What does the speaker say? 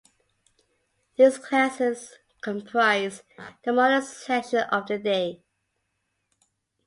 These classes comprise the morning session of the day.